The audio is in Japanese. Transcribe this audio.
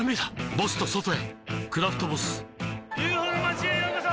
ボスと外へ「クラフトボス」ＵＦＯの町へようこそ！